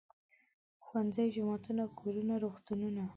ښوونځي، جوماتونه، کورونه، روغتونونه.